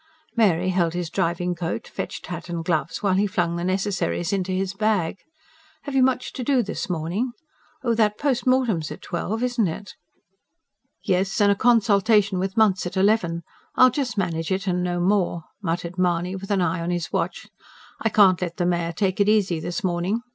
Mary held his driving coat, fetched hat and gloves, while he flung the necessaries into his bag. "Have you much to do this morning? Oh, that post mortem's at twelve, isn't it?" "Yes; and a consultation with Munce at eleven I'll just manage it and no more," muttered Mahony with an eye on his watch. "I can't let the mare take it easy this morning.